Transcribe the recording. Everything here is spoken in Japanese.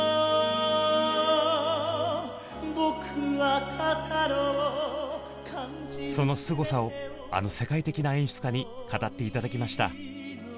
「僕は語ろう」そのすごさをあの世界的な演出家に語って頂きました。